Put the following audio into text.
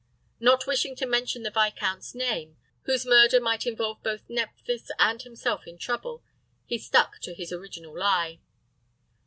Not wishing to mention the viscount's name, whose murder might involve both Nephthys and himself in trouble, he stuck to his original lie.